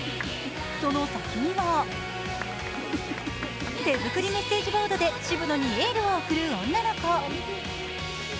その先には手作りメッセージボードで、渋野にエールを送る女の子。